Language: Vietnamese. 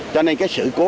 cho nên cái sự cố